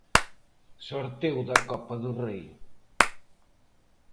Sorteo da Copa do Rei.